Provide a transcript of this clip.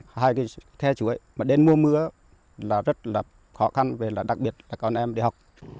hai cái khe chú ấy mà đến mua mưa là rất là khó khăn đặc biệt là con em đi học